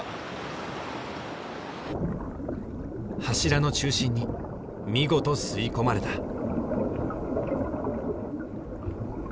柱の中心に見事吸い込まれた。